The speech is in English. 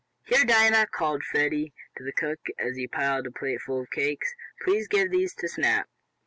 "Here, Dinah!" called Freddie to the cook, as he piled a plate full of cakes. "Please give these to Snap."